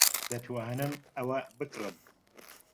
دەتوانم ئەوە بکڕم؟